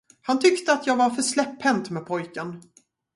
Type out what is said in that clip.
Han tyckte, att jag var för släpphänt med pojken.